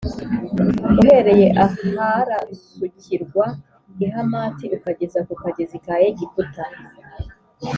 uhereye aharasukirwa i Hamati ukageza ku kagezi ka Egiputa